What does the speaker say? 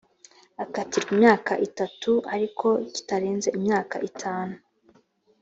akatirwa imyaka itatu ariko kitarenze imyaka itanu